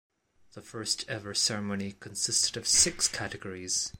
The first ever ceremony consisted of six categories.